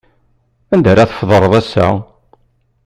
Anda ara tfeḍreḍ assa?